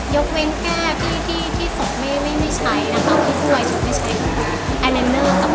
ยกเป็นแก้ที่ส่งไม่ใช้ที่ด้วยส่งไม่ใช้